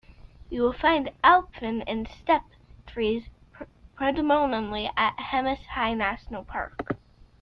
You will find alpine and steppe trees predominantly at Hemis High National Park.